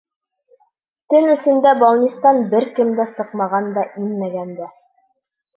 — Төн эсендә балнистан бер кем дә сыҡмаған да, инмәгән дә.